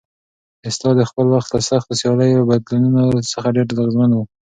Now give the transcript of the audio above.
استاد د خپل وخت له سختو سیاسي بدلونونو څخه ډېر اغېزمن و.